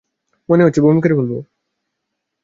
মনে হচ্ছে বমি করে ফেলবো।